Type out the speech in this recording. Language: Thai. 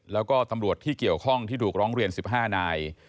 แล้วก็ตำรวจที่เกี่ยวข้องที่ถูกร้องเรียน๑๕นาย